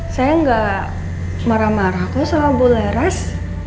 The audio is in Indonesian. saya gak marah marah kok sama bu laras